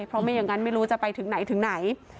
เพราะไม่อย่างนั้นไม่รู้จะไปถึงไหนถึงไหน